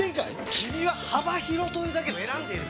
君は幅広というだけで選んでいる！